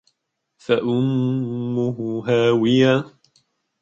فأمه هاوية